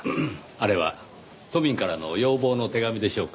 あれは都民からの要望の手紙でしょうか？